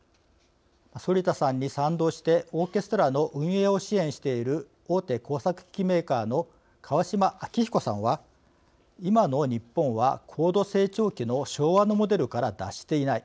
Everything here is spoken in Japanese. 反田さんに賛同してオーケストラの運営を支援している大手工作機器メーカーの川島昭彦さんは「今の日本は高度成長期の昭和のモデルから脱していない。